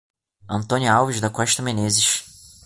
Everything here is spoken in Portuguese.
Antônia Alves da Costa Menezes